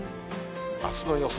あすの予想